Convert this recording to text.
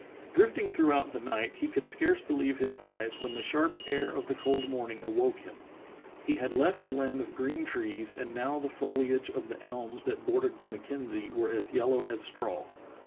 Drifting throughout the night, he could scarce believe his eyes when the sharp air of the cold morning awoke him. Ke had left a land of green trees and now the foliage of the elms that bordered the Mackenzie were as yellow as straw.